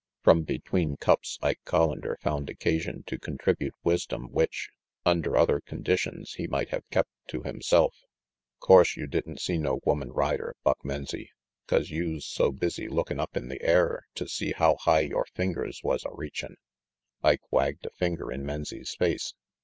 From between cups Ike Collander found occasion to contribute wisdom which, under other conditions, he might have kept to himself. 4 'Course you did'n see no woman rider, Buck Menzie, 'cause youse so busy lookin' up in the air to see how high yore fingers was a reachin'," Ike wagged a finger in Menzie's face.